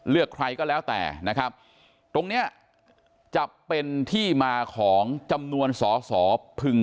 เลือกใครก็แล้วแต่นะครับตรงเนี้ยจะเป็นที่มาของจำนวนสอสอพึง